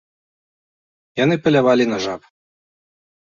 Яны палявалі на жаб.